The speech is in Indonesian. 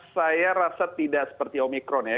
saya rasa tidak seperti omikron ya